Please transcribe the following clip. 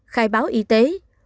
ba khai báo y tế